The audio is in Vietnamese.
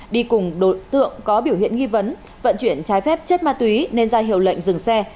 đi cùng có biểu hiện nghi vấn vận chuyển trái phép chất ma túy nên ra hiệu lệnh dừng xe